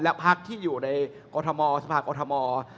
และพักที่อยู่ในกรทมสภากอทม